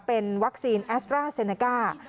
เป็นวัคซีนแอสตราเซเนก้า